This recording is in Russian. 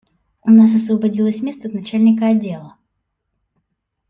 У нас освободилось место начальника отдела.